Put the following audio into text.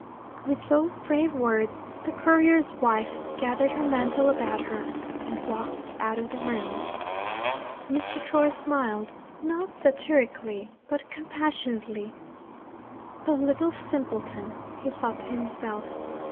With those brave words the courier's wife gathered her mantle about her, and walked out of the room. Mr. Troy smiled not satirically, but compassionately. 'The little simpleton!' he thought to himself.